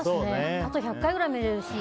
あと１００回くらい見れるし。